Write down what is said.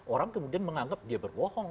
orang kemudian menganggap dia berbohong